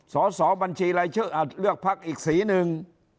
สสบัญชีอะไรเลือกพักอีกสีหนึ่ง